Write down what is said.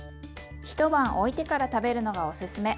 一晩おいてから食べるのがおすすめ。